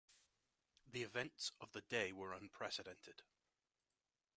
The events of the day were unprecedented.